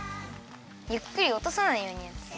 ゆっくりおとさないようにきをつけてね。